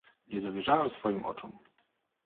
"Nie dowierzałem swoim oczom."